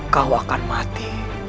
kau akan mati